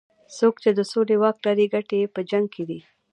څوک چې د سولې واک لري ګټې یې په جنګ کې دي.